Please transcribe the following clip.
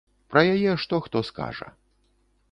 Пра яе што хто скажа.